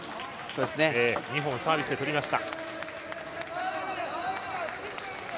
２本サービスで取りました。